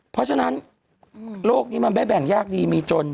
เพราะฉะนั้นโลกนี้มันไม่แบ่งยากดีมีจน